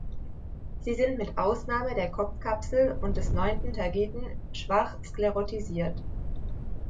Sie sind mit Ausnahme der Kopfkapsel und des neunten Tergiten schwach sklerotisiert.